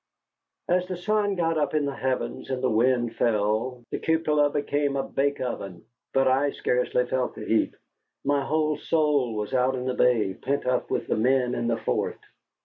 As the sun got up in the heavens and the wind fell, the cupola became a bake oven. But I scarcely felt the heat. My whole soul was out in the bay, pent up with the men in the fort.